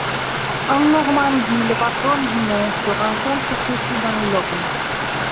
En Normandie, le patrone Guimond se rencontre surtout dans l'Orne.